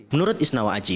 menurut isnawa aji